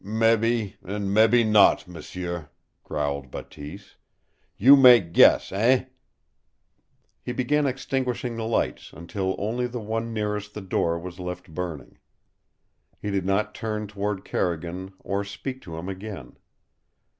"Mebby an' mebby not, m'sieu," growled Bateese. "You mak' guess, eh?" He began extinguishing the lights, until only the one nearest the door was left burning. He did not turn toward Carrigan or speak to him again.